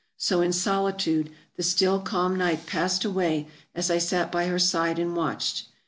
So in solitude the still calm night passed away as I sat by her side and watched.